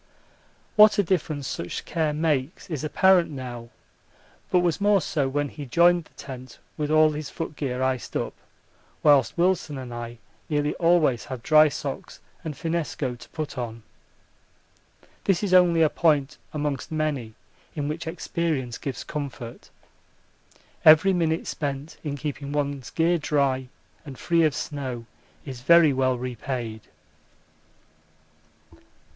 What a difference such care makes is apparent now, but was more so when he joined the tent with all his footgear iced up, whilst Wilson and I nearly always have dry socks and finnesko to put on. This is only a point amongst many in which experience gives comfort. Every minute spent in keeping one's gear dry and free of snow is very well repaid.